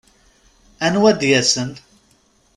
Anwa ad d-yasen?